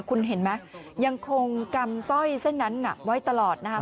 คุณเห็นไหมยังคงกำสร้อยเส้นนั้นไว้ตลอดนะครับ